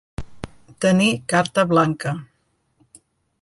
Tenir carta blanca.